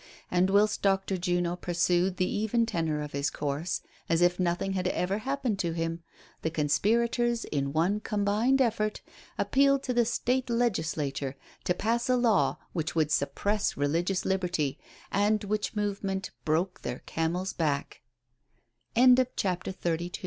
And whilst Dr. Juno pur sued the even tenor of his course, as if nothing had ever happened to him, the conspirators, in one combined effort, appealed to the State Legislature to pass a law which would suppress religious liberty, and which movement broke the